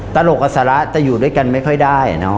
ตลกอัศระจะอยู่ด้วยกันไม่ค่อยได้